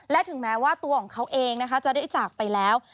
และถึงแม้ว่าตัวของเขาเองนะคะจะได้จากไปแล้ว